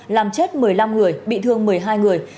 làm chết một mươi năm người bị thương một mươi hai người